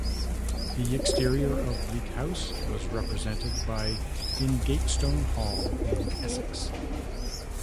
The exterior of Bleak House was represented by Ingatestone Hall in Essex.